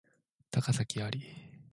高咲侑